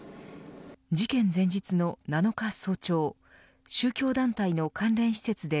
事件前日の７日早朝宗教団体の関連施設で